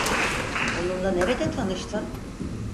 Onunla nerede tanıştın?